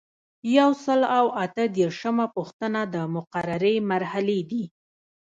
یو سل او اته دیرشمه پوښتنه د مقررې مرحلې دي.